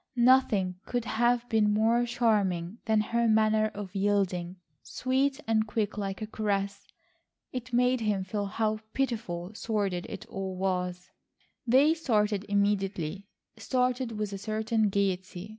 Nothing could have been more charming than her manner of yielding, sweet and quick like a caress. It made him feel how pitiful sordid it all was. They started immediately, started with a certain gaiety.